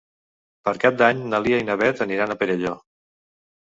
Per Cap d'Any na Lia i na Beth aniran al Perelló.